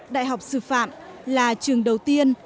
đại học sư phạm là trường đầu tiên